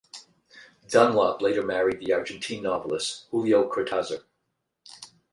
Dunlop later married the Argentine novelist Julio Cortazar.